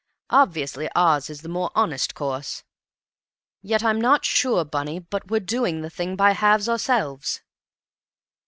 Obviously ours is the more honest course. Yet I'm not sure, Bunny, but we're doing the thing by halves ourselves!"